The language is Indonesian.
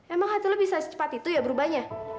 emang hati lo bisa secepat itu ya berubahnya